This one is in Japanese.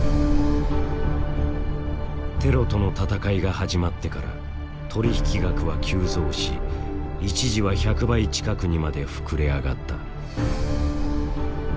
テロとの戦いが始まってから取引額は急増し一時は１００倍近くにまで膨れ上がった。